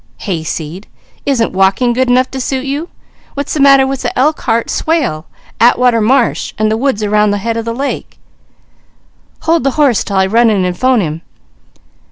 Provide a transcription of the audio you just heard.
"Hayseed! Isn't walking good enough to suit you? What's the matter with the Elkhart swale, Atwater marsh, and the woods around the head of the lake " "Hold the horse till I run in and 'phone him."